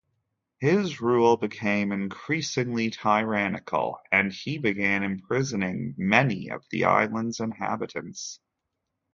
His rule became increasingly tyrannical, and he began imprisoning many of the island's inhabitants.